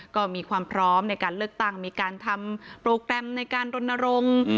ก็มีความพร้อมในการเลือกตั้งมีการทำโปรแกรมในการรณรงค์